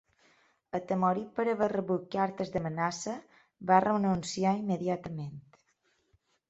Atemorit per haver rebut cartes d'amenaça, va renunciar immediatament.